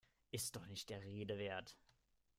Ist doch nicht der Rede wert!